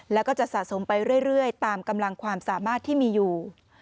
แล้วก็จะสะสมไปเรื่อยตามกำลังความสามารถที่มีอยู่